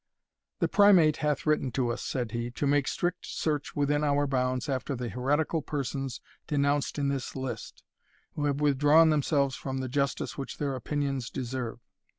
"The Primate hath written to us," said he, "to make strict search within our bounds after the heretical persons denounced in this list, who have withdrawn themselves from the justice which their opinions deserve.